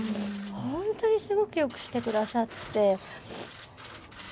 本当にすごくよくしてくださって。